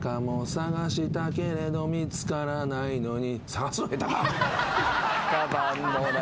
「探したけれど見つからないのに」